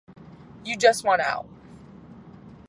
You just want out.